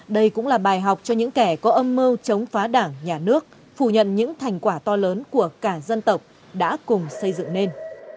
đây cũng là bài học cho những kẻ có âm mưu chống phá đảng nhà nước phủ nhận những thành quả to lớn của cả dân tộc đã cùng xây dựng nên